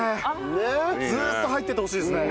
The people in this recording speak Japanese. ずーっと入っててほしいですね。